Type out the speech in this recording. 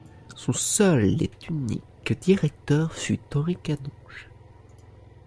Son seul et unique directeur fut Henri Canonge.